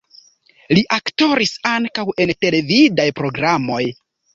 Li aktoris ankaŭ en televidaj programoj.